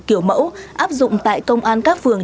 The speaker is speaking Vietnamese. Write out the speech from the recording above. kiểu mẫu áp dụng tại công an các phường